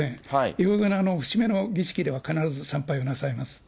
いろいろな節目の儀式では、必ず参拝をなさいます。